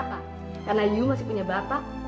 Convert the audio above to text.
saya menawarkan sesuatu yang hebat